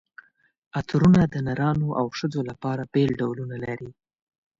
عطرونه د نرانو او ښځو لپاره بېل ډولونه لري.